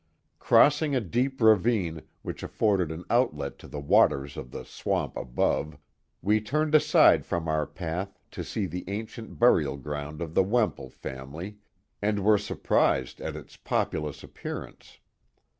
Crossing a deep ravine, which afforded an outlet to the waters of the swamp above, we turned aside from our path to see the ancient burial ground of the Wemple family, and were surprised at its populous appearance.